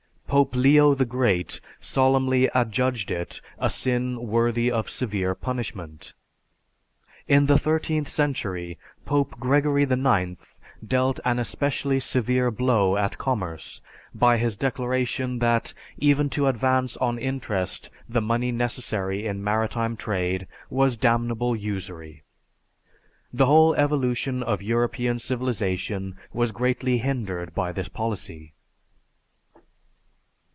Pope Leo the Great solemnly adjudged it a sin worthy of severe punishment. In the thirteenth century, Pope Gregory IX dealt an especially severe blow at commerce by his declaration that even to advance on interest the money necessary in maritime trade was damnable usury. The whole evolution of European civilization was greatly hindered by this policy.